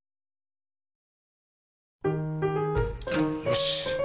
よし。